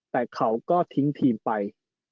แต่เขาก็ทิ้งทีมไป